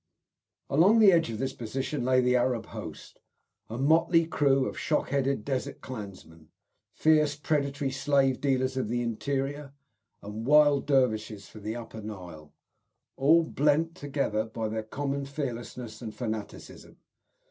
Along the edge of this position lay the Arab host a motley crew of shock headed desert clansmen, fierce predatory slave dealers of the interior, and wild dervishes from the Upper Nile, all blent together by their common fearlessness and fanaticism.